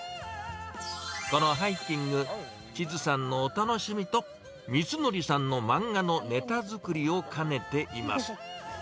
このハイキング、千都さんのお楽しみと、みつのりさんの漫画のネタ作りを兼ねています。